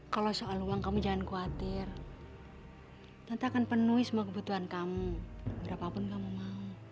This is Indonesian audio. kalau soal uang kamu jangan khawatir nanti akan penuhi semua kebutuhan kamu berapapun kamu mau